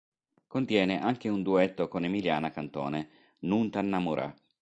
Contiene anche un duetto con Emiliana Cantone, "Nun t'annammurà".